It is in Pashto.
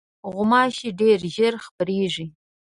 غوماشې ډېر ژر خپرېږي.